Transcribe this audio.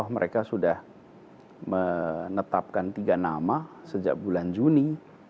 mereka sudah menetapkan tiga nama sejak bulan juni